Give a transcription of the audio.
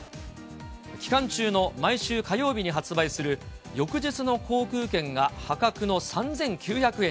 期間中の毎週火曜日に発売する、翌日の航空券が破格の３９００円に。